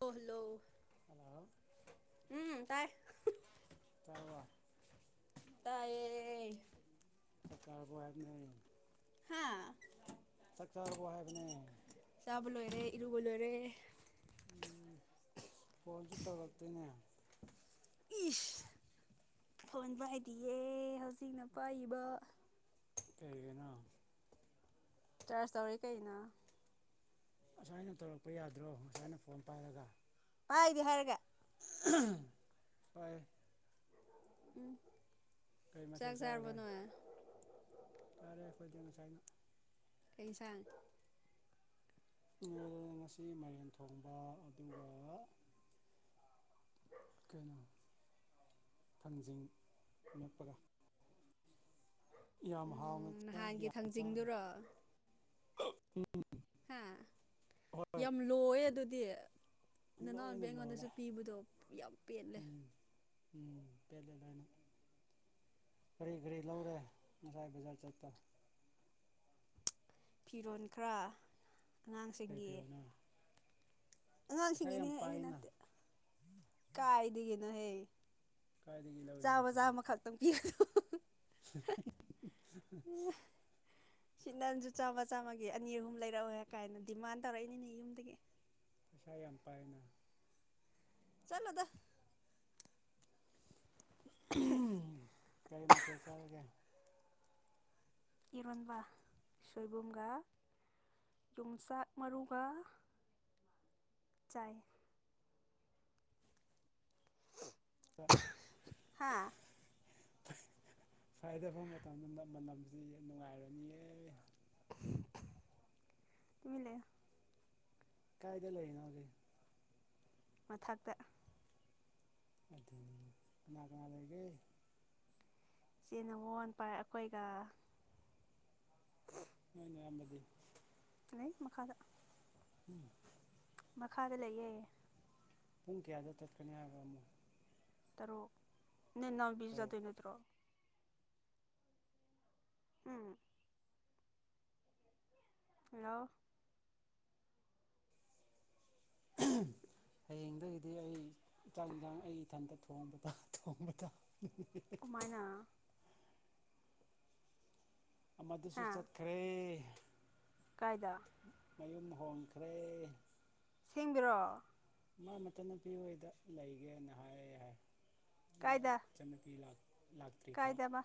ꯑꯣ hello hello ꯎꯝ ꯇꯥꯏ ꯆꯥꯔꯕ꯭ꯔꯥ ꯇꯥꯏꯌꯦ ꯆꯥꯛ ꯆꯥꯔꯕꯣ ꯍꯥꯏꯕꯅꯦ ꯍꯥꯥ ꯆꯥꯛꯆꯥꯥꯔꯕꯣ ꯍꯥꯏꯕꯅꯦ ꯀꯣꯂꯔꯦ ꯎꯝ ꯐꯣꯟꯁꯨ ꯇꯧꯔꯛꯇꯦꯅꯦ ꯏꯁ ꯐꯣꯟ ꯄꯥꯏꯗꯤꯌꯦ ꯍꯧꯖꯤꯛꯅ ꯄꯥꯏꯕ ꯀꯩꯒꯤꯅꯣ ꯆꯥꯔꯖ ꯇꯧꯔꯤ ꯀꯩꯅꯣ ꯉꯁꯥꯏꯅ ꯇꯧꯔꯛꯄ ꯌꯥꯗ꯭ꯔꯣ ꯉꯁꯥꯏꯅ ꯐꯣꯟ ꯄꯥꯏꯔꯒ ꯄꯥꯏꯗꯦ ꯍꯥꯏꯔꯒ ꯄꯥꯏ ꯎꯝ ꯆꯥꯛ ꯃꯊꯦꯜ ꯆꯔꯥꯕꯣ ꯆꯥꯔꯒꯦ ꯅꯣꯏ ꯆꯥꯔꯦ ꯑꯩꯈꯣꯏꯗꯤ ꯉꯁꯥꯏꯅ ꯉꯥꯡ ꯉꯥꯏꯔꯦ ꯉꯁꯤ ꯃꯥꯏꯔꯦꯟ ꯊꯣꯡꯕ ꯑꯗꯨꯒ ꯀꯩꯅꯣ ꯊꯥꯡꯖꯤꯡ ꯃꯦꯠꯄꯒ ꯌꯥꯝ ꯍꯥꯎꯅ ꯎꯝ ꯆꯥꯏ ꯅꯍꯥꯟꯒꯤ ꯌꯥꯝ ꯆꯥꯏ ꯊꯥꯡꯖꯤꯡꯗꯨꯔꯣ ꯍꯥ ꯍꯣꯏ ꯌꯥꯝ ꯂꯣꯏꯑꯦ ꯑꯗꯨꯗꯤ ꯅꯅꯥꯎꯣꯟꯕ ꯂꯣꯏꯅ ꯂꯣꯏꯔꯦ ꯑꯩꯉꯣꯟꯗꯁꯨ ꯄꯤꯕꯗꯣ ꯌꯥꯝ ꯄꯦꯠꯂꯦ ꯎꯝ ꯎꯝ ꯄꯦꯜꯂꯦ ꯀꯔꯤ ꯀꯔꯤ ꯂꯧꯔꯦ ꯉꯁꯥꯏ ꯕꯖꯥꯔ ꯆꯠꯄꯗ ꯐꯤꯔꯣꯟ ꯈꯔ ꯀꯩ ꯐꯤꯔꯣꯜꯅꯣ ꯄꯩꯁꯥ ꯌꯥꯝ ꯑꯉꯥꯡꯁꯤꯡꯒꯤꯅꯦꯍ ꯑꯩꯒꯤ ꯄꯥꯏꯅ ꯅꯠꯇꯦ ꯀꯥꯏꯗꯤꯒꯅ ꯍꯦ ꯀꯥꯏꯗꯒꯤ ꯂꯧꯔꯤꯅꯣ ꯆꯥꯕ ꯄꯩꯁꯥ ꯆꯥꯃ ꯈꯛꯇꯪ ꯄꯤ [inaudible] ꯁꯤꯠ ꯅꯟꯁꯨ ꯆꯥꯝꯃ ꯆꯥꯝꯃꯒꯤ ꯑꯅꯤ ꯑꯍꯨꯝ ꯂꯩꯔꯛꯑꯣ ꯀꯥꯏꯅ ꯗꯤꯃꯥꯟ ꯇꯧꯔꯛꯏꯅꯤꯅꯦ ꯌꯨꯝꯗꯒꯤ ꯄꯩꯁꯥ ꯌꯥꯝ ꯄꯥꯏꯅ ꯆꯂꯗ ꯀꯔꯤ ꯃꯊ ꯆꯒꯦ ꯏꯔꯣꯟꯕ ꯁꯣꯏꯕꯨꯝꯒ ꯌꯣꯡꯆꯥꯛ ꯃꯔꯨꯒ ꯆꯥꯏ ꯍꯥꯥ ꯁꯥꯏꯗꯕ ꯃꯇꯝꯗꯗ ꯃꯅꯝꯁꯤ ꯅꯨꯡꯉꯥꯏꯔꯅꯤꯌꯦ ꯇꯃꯤ ꯂꯩ ꯀꯥꯏꯗ ꯂꯩꯔꯤꯅꯣꯒꯦ ꯃꯊꯛꯇ ꯑꯗꯨ ꯂ ꯀꯔꯒꯦ ꯆꯦꯟꯅ ꯃꯣꯟ ꯄꯥꯏ ꯑꯩꯈꯣꯏꯒ ꯍꯣꯏꯅꯦ ꯑꯕꯗꯤ ꯂꯩ ꯃꯈꯥꯗ ꯎꯝ ꯃꯈꯥꯗ ꯂꯩꯌꯦꯌꯦ ꯄꯨꯡ ꯀꯌꯥꯗ ꯇꯠꯀꯅꯤ ꯍꯥꯏꯣ ꯇꯔꯨꯛ ꯅ ꯅꯕꯤꯖꯖꯗ ꯅꯠꯇ꯭ꯔꯣ ꯎꯝ ꯍꯜꯂꯣ ꯍꯌꯦꯡꯗꯒꯤꯗꯤ ꯑꯩ ꯆꯥꯛ ꯏꯟꯁꯥꯡ ꯑꯩ ꯏꯊꯟꯇ ꯊꯣꯡꯕꯗ ꯊꯣꯡꯕꯗ ꯀꯃꯥꯏꯅ ꯃꯗꯨꯁꯨ ꯍꯥ ꯆꯠꯈꯔꯦ ꯀꯥꯏꯗ ꯃꯌꯨꯝ ꯍꯣꯡꯈ꯭ꯔꯦ ꯁꯦꯝꯕꯤꯔꯛꯑꯣ ꯃꯥ ꯃꯆꯟꯅꯨꯄꯤ ꯍꯗ ꯂꯩꯒꯦꯅ ꯍꯥꯏ ꯍꯥꯏ ꯀꯥꯏꯗ ꯆꯅ ꯄꯤ ꯂꯥꯛ ꯂꯥꯛꯇ꯭ꯔꯤꯕ ꯀꯥꯏꯗꯕ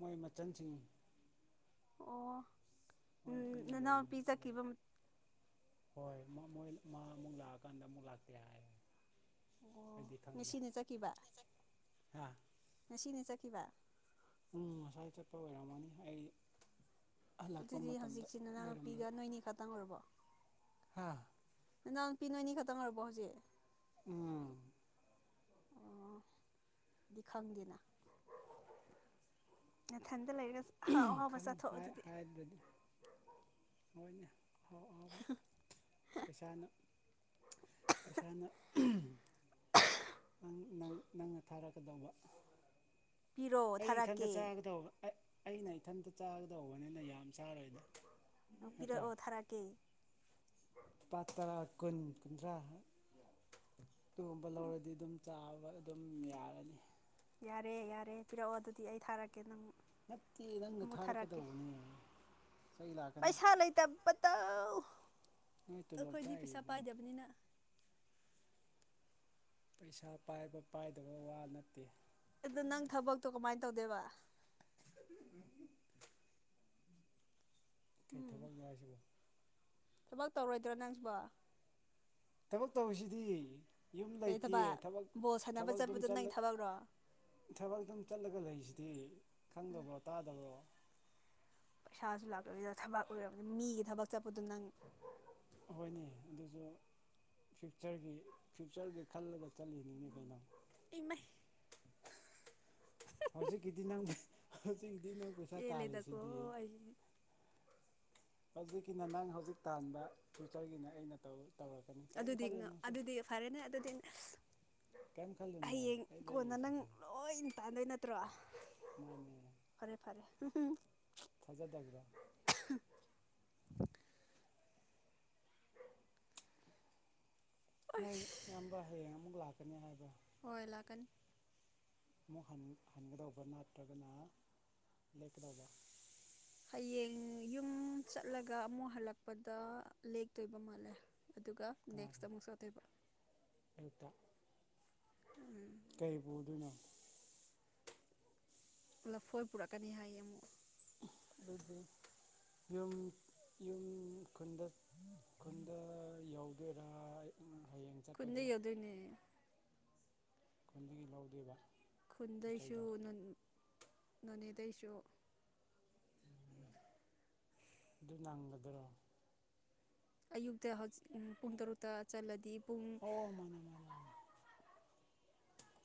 ꯃꯣꯏ ꯃꯆꯜꯁꯤꯡ ꯑꯣ ꯎꯝ ꯄꯨꯟꯅ ꯅꯅꯥꯎ ꯂꯩ ꯂꯩ ꯄꯤꯖꯈꯤꯕ ꯍꯣꯏ ꯃꯣꯏ ꯃꯥ ꯑꯃꯨꯛ ꯂꯥꯛꯑꯀꯥꯟꯗ ꯑꯃꯨꯛ ꯂꯥꯛꯇꯦ ꯍꯥꯏꯔꯦ ꯑꯣ ꯃꯦꯁꯤꯅ ꯆꯠꯈꯤꯕ ꯑꯥ ꯉꯁꯤꯅꯦ ꯆꯠꯈꯤꯕ ꯎꯝ ꯉꯁꯥꯏ ꯆꯠꯄ ꯑꯣꯏꯔꯝꯃꯅꯤ ꯑꯩ ꯍꯜꯂꯛꯄ ꯑꯗꯨꯗꯤ ꯃꯇꯝꯗ ꯍꯧꯖꯤꯛꯁꯦ ꯅꯅꯥꯎꯨꯄꯤꯒ ꯅꯣꯏꯅꯤ ꯈꯛꯇꯪ ꯑꯣꯏꯔꯕꯣ ꯍꯥꯥ ꯅꯗꯥ ꯄꯅꯣꯅꯤ ꯈꯇꯪ ꯑꯣꯏꯔꯕꯣꯁꯦ ꯎꯝ ꯑꯣꯗꯤ ꯈꯪꯗꯦꯅꯊꯟ ꯈ ꯍꯥꯏꯗꯨꯗꯤ ꯃꯣꯏꯅ ꯑꯍꯥꯎ ꯑꯍꯥꯎꯕ ꯄꯩꯁꯥꯅ ꯄꯩꯁꯥꯅ ꯅꯪ ꯅꯪꯅ ꯊꯥꯔꯛꯀꯗꯧꯕ ꯄꯤꯔꯛꯑꯣ ꯑꯩ ꯏꯊꯟꯇ ꯊꯥꯔꯛꯀꯦ ꯆꯥꯒꯗꯧꯕ ꯑꯩꯅ ꯏꯊꯟꯇ ꯆꯥꯒꯗꯧꯕꯅꯤꯅ ꯌꯥꯝ ꯆꯥꯔꯣꯏꯗ ꯄꯤꯔꯛꯑꯣ ꯊꯔꯛꯀꯦ ꯄꯥ ꯇꯔꯥ ꯀꯨꯟ ꯀꯨꯟꯊ꯭ꯔꯥ ꯑꯗꯨꯒꯨꯝꯕ ꯂꯧꯔꯗꯤ ꯑꯗꯨꯝ ꯆꯥꯕ ꯑꯗꯨꯝ ꯌꯥꯔꯅꯤ ꯌꯥꯔꯦ ꯌꯥꯔꯦ ꯄꯤꯔꯛꯑꯣ ꯑꯗꯨꯗꯤ ꯑꯩ ꯊꯥꯔꯛꯀꯦ ꯅꯪ ꯅꯠꯇꯦ ꯅꯪꯒ ꯑꯃꯨꯛ ꯊꯥꯔꯛꯀꯦ ꯊꯥꯔꯛꯀꯗꯧꯕꯅꯦ ꯏꯁꯩ ꯂꯥꯛꯀꯅꯤ ꯄꯩꯁꯥ ꯂꯩꯇꯕꯇꯧ ꯅꯣꯏ ꯇꯣꯂꯣꯞ ꯑꯩꯈꯣꯏꯗꯤ ꯄꯩꯁꯥ ꯆꯥꯔꯤꯗꯨꯗꯤ ꯄꯥꯏꯗꯕꯅꯤꯅ ꯄꯩꯁꯥ ꯄꯥꯏꯕ ꯄꯥꯏꯗꯕ ꯋꯥ ꯅꯠꯇꯦ ꯑꯗꯨ ꯅꯪ ꯊꯕꯛꯇꯣ ꯀꯃꯥꯏꯅ ꯇꯧꯗꯦꯕ ꯀꯔꯤ ꯎꯝ ꯊꯕꯛꯅꯤ ꯍꯥꯏꯁꯤꯕꯣ ꯊꯕꯛ ꯇꯧꯔꯣꯏꯗ꯭ꯔꯣ ꯅꯪꯁꯨꯕ ꯇꯃꯣ ꯇꯧꯁꯤꯗꯤ ꯌꯨꯝ ꯀꯩ ꯂꯩꯇꯦ ꯊꯕꯛ ꯕꯣꯜ ꯁꯥꯟꯅꯕ ꯊꯕꯛꯕ ꯑꯗꯨ ꯆꯠꯄꯗꯣ ꯅꯪ ꯊꯕꯛꯔꯣ ꯊꯕꯛ ꯑꯗꯨꯝ ꯆꯠꯂꯒ ꯂꯩꯁꯤ ꯗꯤ ꯈꯪꯗꯕꯣ ꯇꯥꯗꯕꯣ ꯄꯩꯁꯥꯁꯨ ꯂꯥꯛꯇꯕꯤꯗ ꯊꯕꯛ ꯑꯣꯏꯔꯕꯅꯤ ꯃꯤꯒꯤ ꯊꯕꯛ ꯆꯠꯄꯗꯨꯣ ꯅꯪ ꯍꯣꯏꯅꯦ ꯑꯗꯨꯁꯨ ꯐ꯭ꯌꯨꯆꯔꯒꯤ ꯐ꯭ꯌꯨꯆꯔꯒꯤ ꯈꯜꯂꯒ ꯆꯠꯂꯤꯅꯤꯅꯦ ꯀꯩꯅꯣ ꯏꯃ ꯍꯧꯖꯤꯛ ꯀꯗꯤ ꯅ ꯑꯁꯤ ꯌꯦꯂꯗꯀꯣ ꯑꯩ ꯍꯧꯖꯤꯛꯀꯤꯅ ꯅꯪ ꯍꯧꯖꯤꯛ ꯇꯥꯟꯕ ꯐ꯭ꯌꯨꯆꯔꯒꯤꯅꯦ ꯑꯩꯅ ꯇꯧ ꯑꯗꯨꯗꯤ ꯑꯗꯨꯗꯤ ꯐꯔꯦꯅꯦ ꯑꯗꯨꯗꯤꯁ ꯀꯔꯤꯝ ꯈꯜꯂꯨꯅꯨ ꯍꯌꯦꯡ ꯑꯩ ꯀꯣꯟꯅ ꯅꯪ ꯂꯩꯔꯤꯁꯤꯗꯤ ꯂꯣꯏ ꯇꯥꯟꯗꯣꯏ ꯅꯠꯇ꯭ꯔꯣ ꯐꯔꯦ ꯐꯔꯦ ꯊꯖ ꯒ꯭ꯔ [inaudible] ꯌꯥꯝꯝꯕ ꯍꯌꯦ ꯑꯃꯛ ꯂꯥꯛ ꯥꯛꯀꯅꯤ ꯍꯥꯏꯕ ꯍ ꯏꯂꯥꯛꯀꯅꯤ ꯑꯃꯨꯛ ꯍꯟꯒꯗꯧꯕ ꯅꯠꯇ꯭ꯔꯒꯅ ꯂꯦꯞꯀꯗꯧꯕ ꯍꯌꯦꯡ ꯌꯨꯝ ꯆꯠꯂꯒ ꯑꯃꯨꯛ ꯍꯜꯂꯛꯄꯗ ꯂꯦꯛꯇꯣꯏꯕ ꯃꯥꯜꯂꯦ ꯑꯗꯨꯒ ꯅꯦꯛꯁꯇ ꯀꯅꯥꯅꯣ ꯑꯃꯨꯛꯁꯨꯊꯣꯏꯕ ꯑꯌꯨꯛꯇ ꯀꯩ ꯄꯨꯗꯣꯏꯅꯣ ꯂꯐꯣꯏ ꯄꯨꯔꯛꯀꯅꯤ ꯍꯥꯏꯌꯦ ꯑꯃꯨꯛ ꯑꯗꯨꯒ ꯌꯨꯝ ꯌꯨꯝ ꯈꯨꯟꯗ ꯈꯨꯟꯗ ꯌꯥꯎ ꯦꯔꯥꯏ ꯈꯨꯗ ꯌꯗꯨꯅꯤ ꯈꯨꯟꯗꯒꯤ ꯂꯧꯗꯦꯕ ꯈꯨꯟꯗꯩꯁꯨ ꯅꯣꯅꯦꯗꯩꯁꯨ ꯑꯗꯨ ꯂꯪꯒꯗ꯭ꯔꯣ ꯑꯌꯨꯛꯇ ꯍꯧꯛ ꯄꯨꯡ ꯇꯔꯨꯛꯇ ꯆꯠꯂꯗꯤ ꯄꯨꯡ ꯑꯣ ꯃꯥꯅꯦ ꯃꯥꯅꯦ ꯃꯥꯅꯦ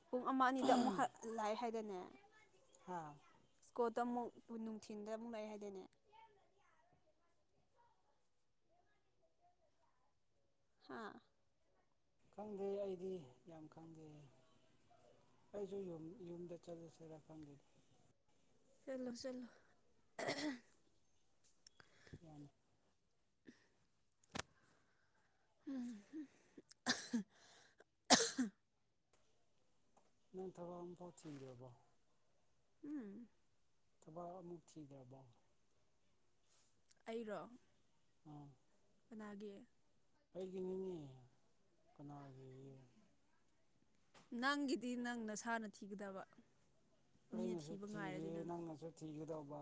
ꯄꯨꯡ ꯑꯃ ꯑꯅꯤꯗ ꯑꯃꯨꯛ ꯂꯑ ꯍꯥꯏ ꯑꯗꯨꯅꯦ ꯍꯥꯥ ꯀꯣꯠꯇ ꯑꯃꯨꯛ ꯅꯨꯡꯊꯤꯟꯗ ꯑꯃꯨꯛ ꯂꯥꯛꯑꯦ ꯍꯥꯏꯗꯣꯏꯅꯦ ꯍꯥꯥ ꯈꯪꯗꯦ ꯑꯩꯗꯤ ꯌꯥꯝ ꯈꯪꯗꯦ ꯑꯩꯁꯨ ꯌꯨꯝꯗ ꯆꯠꯂꯁꯤꯔꯥ ꯈꯪꯗꯦ ꯆꯂꯣ ꯆꯂꯣ [unintelligible] [unintelligible] ꯅꯇꯔꯕꯝꯊꯧꯎ ꯆꯤꯗꯕꯣ ꯎꯝ ꯊꯕꯛ ꯑꯃꯨꯛ ꯊꯤꯗꯕꯣ ꯑꯩꯔꯣ ꯅꯥꯒꯦ ꯑꯩꯒꯤ ꯅꯤꯡꯉ ꯀꯅꯥꯒꯤ ꯅꯪꯒꯤꯗꯤ ꯅꯪ ꯅꯁꯥꯅ ꯊꯤꯒꯗꯕ ꯃꯤꯅ ꯑꯩꯅꯁꯨ ꯊꯤꯕ ꯊꯤꯔꯤ ꯉꯥꯏꯔꯗꯤ ꯅꯪ ꯅꯪꯅꯁꯨ ꯁꯤꯒꯗꯕꯥ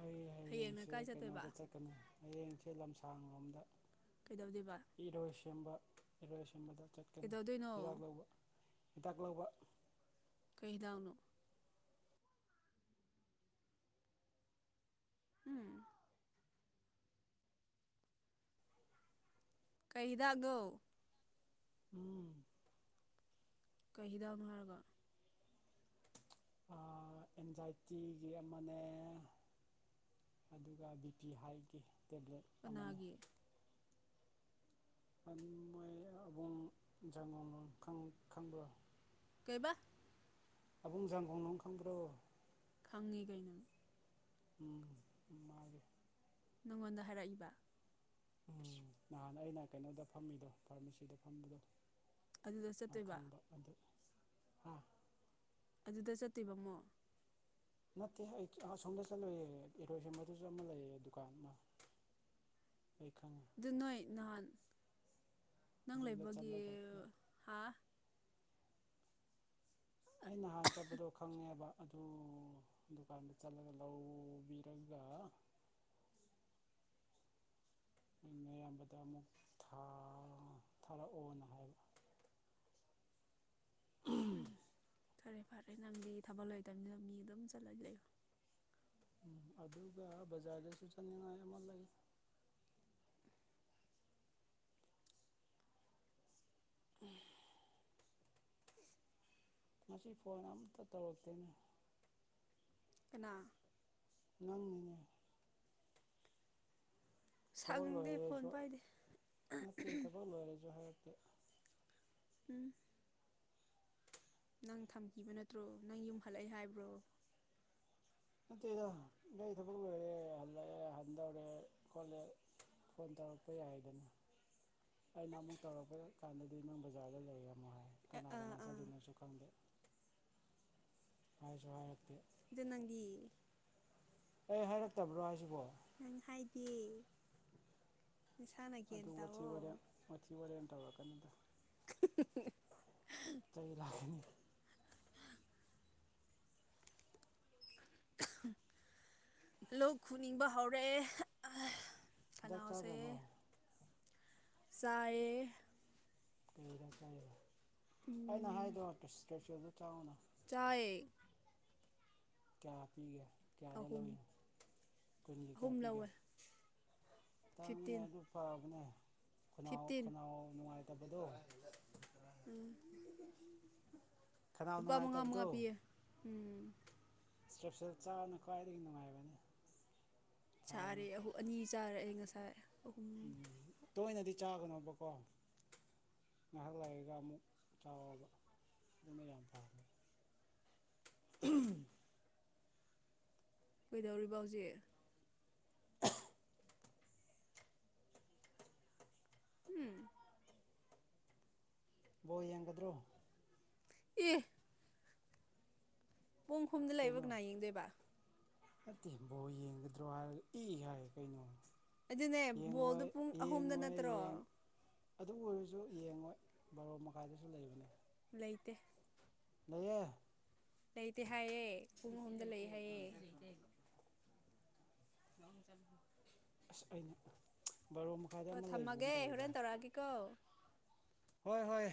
ꯑꯩ ꯍꯌꯦꯡꯅ ꯍꯌꯦꯡꯁꯦ ꯀꯥꯏ ꯆꯠꯇꯣꯏꯕ ꯀꯩꯅꯣꯗ ꯆꯠꯀꯅꯤ ꯍꯌꯦꯡꯁꯦ ꯂꯝꯁꯥꯡ ꯂꯣꯝꯗ ꯀꯩꯗꯧꯗꯣꯏꯕ ꯏꯔꯣꯏ ꯁꯦꯝꯕ ꯏꯔꯣꯏ ꯁꯦꯝꯕꯗ ꯆꯠꯀꯅꯤ ꯀꯩꯗꯧꯗꯣꯏꯅꯣ ꯍꯤꯗꯥꯛ ꯂꯧꯕ ꯍꯤꯗꯥꯛ ꯂꯧꯕ ꯀꯩꯗꯥꯎꯅ ꯎꯝ ꯀꯩꯗꯥꯛꯗꯣ ꯎꯝ ꯀꯩ ꯍꯤꯗꯥꯛꯅꯣ ꯍꯥꯏꯔꯒ ꯑꯦꯟꯖꯥꯏꯇꯤꯒꯤ ꯑꯃꯅꯦ ꯑꯗꯨꯒ ꯕꯤ ꯄꯤ ꯍꯥꯏꯒꯤ ꯇꯦꯕ꯭ꯂꯦꯠ ꯑꯃꯅꯤ ꯀꯅꯥꯒꯤ ꯃꯣꯏ ꯑꯕꯨꯡꯟꯁꯥꯡ ꯈꯪꯕ꯭ꯔꯣ ꯀꯩꯕ ꯑꯕꯨꯡꯖꯒꯨꯡꯂꯣ ꯈꯪꯕ꯭ꯔꯣ ꯐꯪꯉꯤꯒꯥꯏꯅ ꯎꯝ ꯃꯥꯜꯂꯤ ꯅꯪꯉꯣꯟꯗ ꯍꯥꯏꯔꯛꯏꯕ ꯎꯝ ꯅꯍꯥꯟ ꯑꯩꯅ ꯀꯩꯅꯣꯗ ꯐꯝꯃꯤꯗꯣ ꯐꯥꯔꯃꯥꯁꯤꯗ ꯐꯝꯕꯗꯣ ꯑꯗꯨꯗ ꯆꯠꯇꯣꯏꯕ ꯑꯈꯪꯕ ꯑꯗꯨ ꯎ ꯑꯗꯨꯗ ꯆꯠꯇꯤꯕꯃꯣ ꯅꯠꯇꯦ ꯑꯩ ꯑꯁꯣꯝꯗ ꯆꯠꯂꯨꯦ ꯏꯔꯣꯏꯁ ꯃꯗꯨꯁꯨ ꯑꯃ ꯂꯩꯌꯦ ꯗꯨꯀꯥꯟ ꯑꯃ ꯑꯩ ꯈꯪꯉꯦ ꯅꯣꯏ ꯅꯥꯟ ꯅꯪ ꯑꯗꯨꯗ ꯂꯩꯕꯒꯤ ꯆꯠꯂꯒ ꯍꯥ ꯑꯩ ꯅꯍꯥꯟ ꯆꯠꯄꯗꯣ ꯈꯪꯉꯦꯕ ꯑꯗꯨ ꯗꯨꯀꯥꯟꯗ ꯆꯠꯂꯒ ꯂꯧꯕꯤꯔꯒ ꯑꯌꯥꯝꯕꯗ ꯑꯃꯨꯛ ꯊꯥꯔꯛꯑꯣꯅ ꯍꯥꯏꯕ ꯎꯝ ꯐꯔꯦ ꯐꯔꯦ ꯅꯪꯗꯤ ꯊꯕꯛ ꯂꯩꯣꯏꯗꯕꯅꯤꯅ ꯃꯤ ꯑꯗꯨꯝ ꯆꯠꯂꯗꯤ ꯂꯩꯌꯣ ꯎꯝ ꯑꯗꯨꯒ ꯕꯖꯥꯔꯗꯁꯨ ꯆꯠꯅꯤꯡꯉꯥꯏ ꯑꯃ ꯂꯩ ꯎꯝ ꯃꯁꯤ ꯐꯣꯟ ꯑꯝꯇ ꯇꯧꯔꯛꯇꯦꯅꯦ [inaudible] ꯂꯧ ꯃꯉꯦ ꯊꯕꯛ ꯁꯪꯗꯦ ꯣꯏꯉꯔꯁꯨ ꯐꯣꯟ ꯄꯥꯏꯗꯦ ꯅꯠꯇꯦ ꯊꯕꯛ ꯣꯏꯉꯔꯁꯨ ꯍꯥꯏꯔꯛꯇꯦ ꯎꯝ ꯅꯪ ꯊꯝꯈꯤꯕ ꯅꯠꯇ꯭ꯔꯣ ꯅꯪ ꯌꯨꯝ ꯍꯜꯂꯛꯏ ꯍꯥꯏꯕ꯭ꯔꯣ ꯅꯠꯇꯦꯗꯣ ꯑꯩ ꯊꯕꯛ ꯂꯣꯏꯔꯦ ꯍꯜꯂꯛꯑꯦ ꯍꯟꯗꯧꯔꯦ ꯈꯣꯠꯂꯦ ꯐꯣꯟ ꯇꯧꯔꯛꯄ ꯌꯥꯏꯗꯅ ꯑꯩꯅ ꯑꯃꯨꯛ ꯇꯧꯔꯛꯄ ꯀꯥꯟꯗꯗꯤ ꯅꯪ ꯕꯖꯔ ꯂꯩꯔꯣ ꯉ ꯑꯥ ꯀꯅꯥ ꯑꯥ ꯀꯅꯥ ꯑꯥ ꯆꯗꯣꯏꯅꯣꯁꯨ ꯈꯪꯗꯦ ꯐꯥꯏ ꯁꯔꯥꯏꯇ ꯅꯥꯒꯤ ꯑꯩ ꯍꯥꯏꯔꯛꯇꯕ꯭ꯔꯣ ꯍꯥꯏꯁꯤꯕꯣ ꯅꯪ ꯍꯥꯏꯗ ꯑꯗꯨ ꯋꯥꯊꯤ ꯋꯥꯔꯦꯝ ꯋꯥꯊꯤ ꯋꯥꯔꯦꯝ ꯇꯧꯔꯣ ꯀꯟꯅꯗ [unintelligible] ꯂꯣꯛ ꯈꯨꯅꯤꯡꯕ ꯍꯧꯔꯛꯑꯦ ꯗꯥꯛ ꯆꯥꯗ꯭ꯔꯕꯣ ꯆꯥꯌꯦ ꯀꯩ ꯍꯤꯗꯥꯛ ꯆꯥꯔꯤꯕ [unintelligible] ꯆꯥꯎꯅ ꯆꯥꯏꯌꯦ ꯀ꯭ꯌꯥ ꯄꯤꯒꯦ ꯀ꯭ꯌꯥꯗ ꯑꯍꯨꯝ ꯂꯧꯏꯅꯣ ꯀꯨꯟꯒꯤ ꯀ꯭ꯌꯥ ꯑꯍꯨꯝ ꯄꯤꯒꯦ ꯂꯧꯋꯦ ꯇꯥꯡꯅꯦ ꯐꯤꯐꯇꯤꯟ ꯑꯗꯨ ꯐꯕꯅꯦ ꯈꯨꯅꯥꯎ ꯐꯤꯐꯇꯤꯟ ꯈꯅꯥꯎ ꯅꯨꯡꯉꯥꯏ ꯇꯕꯗꯣ ꯎꯝ ꯈꯅꯥꯎ ꯂꯨꯄꯥ ꯃꯉꯥ ꯅꯨꯡꯉꯥꯏꯇꯕꯗꯣ ꯃꯉꯥ ꯄꯤꯌꯦ ꯎꯝ ꯁꯇ꯭ꯔꯦꯞꯁꯤꯜ ꯆꯥꯕꯅ ꯈ꯭ꯋꯥꯏꯗꯒꯤ ꯅꯨꯡꯉꯥꯏꯕꯅꯤ ꯆꯥꯔꯦ ꯐꯕꯅꯤ ꯑꯍꯨ ꯑꯅꯤ ꯆꯥꯔꯦ ꯑꯩ ꯉꯁꯥꯏ ꯑꯍꯨꯝ ꯎꯝ ꯇꯣꯏꯅꯗꯤ ꯆꯥꯒꯅꯣꯕꯀꯣ ꯉꯍꯥꯛ ꯂꯩꯔꯒ ꯑꯃꯨꯛ ꯆꯥꯎꯑꯣꯕ ꯑꯗꯨꯅ ꯌꯥꯝ ꯐꯕꯅꯦ [unintelligible] ꯀꯩꯗꯧꯔꯤꯕ ꯍꯧꯖꯤꯛ ꯕꯣ ꯌꯦꯡꯒꯗ꯭ꯔꯣ ꯑꯦ ꯄꯨꯡ ꯍꯨꯝꯗ ꯂꯩꯕ ꯀꯩꯅꯣ ꯀꯅꯥꯥ ꯌꯦꯡꯗꯣꯏꯕ ꯅꯠꯇꯦ ꯕꯣ ꯌꯦꯡꯒꯗ꯭ꯔꯣ ꯍꯥꯏꯔꯒ ꯏ ꯍꯥꯏꯌꯦ ꯀꯩꯅꯣ ꯑꯗꯨꯅꯦ ꯕꯣꯜꯗꯨ ꯌꯦꯡꯉꯣꯏ ꯄꯨꯡ ꯑꯍꯨꯝꯗ ꯌꯦꯡꯉꯣꯏ ꯅꯠꯇ꯭ꯔꯣ ꯌꯦꯡ ꯑꯗꯨ ꯑꯣꯏꯔꯁꯨ ꯌꯦꯡꯉꯣꯏ ꯕꯥꯔꯣ ꯃꯈꯥꯏꯗꯁꯨ ꯂꯩꯕꯅꯦ ꯂꯩꯇꯦ ꯂꯩꯍꯦ ꯂꯩꯇꯦ ꯍꯥꯏꯌꯦ ꯄꯨꯡ ꯍꯨꯝꯗ ꯂꯩ ꯍꯥꯏꯌꯦ [unintelligible] ꯑꯁ ꯑꯩꯅ ꯕꯥꯔꯣ ꯃꯈꯥꯏꯗ ꯍꯣ ꯑꯃ ꯂꯩꯕꯒꯨꯝ ꯊꯝꯃꯒꯦ ꯇꯧꯋꯤꯗ ꯍꯣꯔꯦꯟ ꯇꯧꯔꯛꯑꯒꯦꯀꯣ ꯍꯣꯏ ꯍꯣꯏ